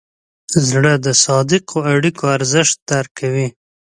زړه د صادقو اړیکو ارزښت درک کوي.